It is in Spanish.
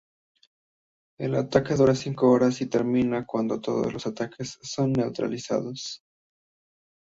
El ataque dura cinco horas y termina cuando todos los atacantes son neutralizados.